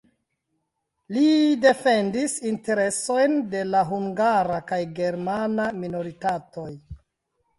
Li defendis interesojn de la hungara kaj germana minoritatoj.